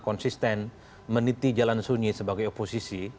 konsisten meniti jalan sunyi sebagai oposisi